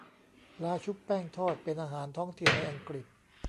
ปลาชุบแป้งทอดเป็นอาหารท้องถิ่นในอังกฤษ